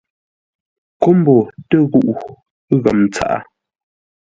Kómboo tə ghuʼu ghəm tsaʼá.